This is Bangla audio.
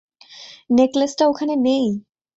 নেকলেসটা ওখানে নেই!